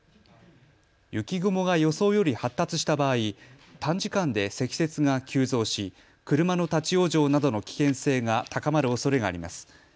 雪雲が予想より発達した場合、短時間で積雪が急増し車の立往生などの危険性が高まるおそれがあります。